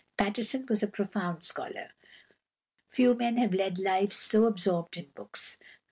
Pattison was a profound scholar. Few men have led lives so absorbed in books.